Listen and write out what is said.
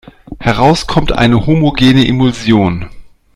Heraus kommt eine homogene Emulsion.